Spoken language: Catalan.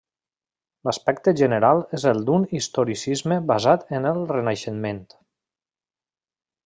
L'aspecte general és del d'un historicisme basat en el Renaixement.